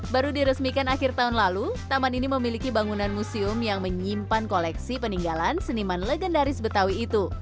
baru diresmikan akhir tahun lalu taman ini memiliki bangunan museum yang menyimpan koleksi peninggalan seniman legendaris betawi itu